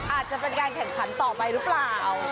อาจจะเป็นการแข่งขันต่อไปหรือเปล่า